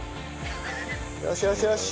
よしよしよし！